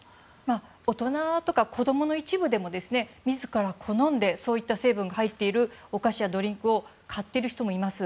大人とか子供の一部でも自ら好んでそういった成分が入っているお菓子やドリンクを買っている人もいます。